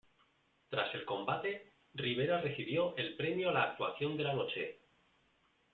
Tras el combate, Rivera recibió el premio a la "Actuación de la Noche".